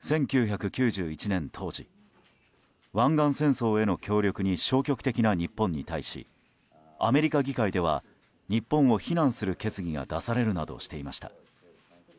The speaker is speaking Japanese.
１９９１年当時湾岸戦争への協力に消極的な日本に対しアメリカ議会では日本を非難する決議が出されるなどしていました。